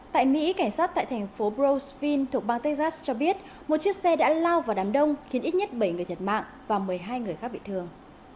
tại mỹ cảnh sát tại thành phố browsphin thuộc bang texas cho biết một chiếc xe đã lao vào đám đông khiến ít nhất bảy người thiệt mạng và một mươi hai người khác bị thương